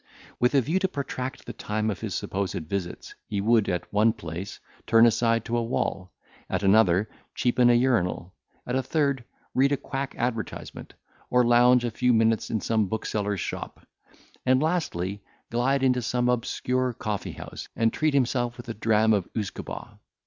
With a view to protract the time of his supposed visits, he would, at one place, turn aside to a wall; at another, cheapen an urinal; at a third corner, read a quack advertisement, or lounge a few minutes in some bookseller's shop; and, lastly, glide into some obscure coffee house, and treat himself with a dram of usquebaugh.